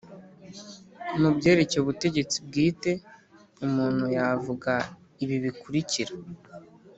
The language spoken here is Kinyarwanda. Mu byerekeye ubutegetsi bwite, umuntu yavuga ibi bikurikira